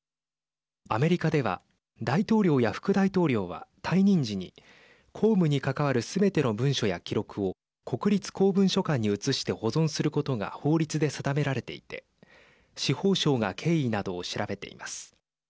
アメリカでは、大統領や副大統領は退任時に公務に関わるすべての文書や記録を国立公文書館に移して保存することが法律で定められていて司法省が経緯などを調べています。